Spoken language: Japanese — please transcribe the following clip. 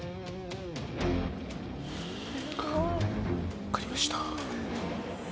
わかりました。